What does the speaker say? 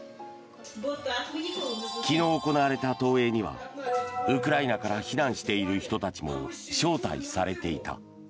昨日行われた投影にはウクライナから避難している人たちも招待されていた。